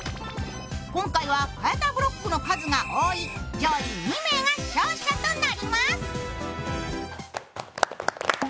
今回は変えたブロックの方が多い上位２名が勝者となります。